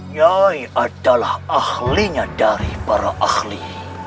yai adalah ahlinya dari para ahli